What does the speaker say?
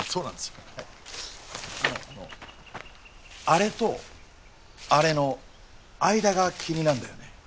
あのあれとあれの間が気になんだよね。